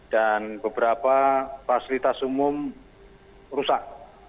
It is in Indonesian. dan beberapa fasilitas umum rusak